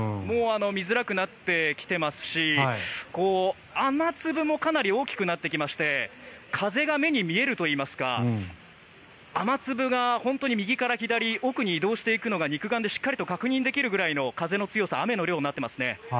見づらくなってきてますし雨粒もかなり大きくなってきまして風が目に見えるといいますか雨粒が本当に右から左奥に移動しているのが肉眼でしっかり確認できるような風の強さ雨の量になっていますね。